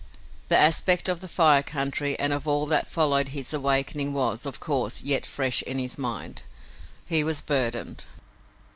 The aspect of the Fire Country and of all that followed his awakening was, of course, yet fresh in his mind. He was burdened.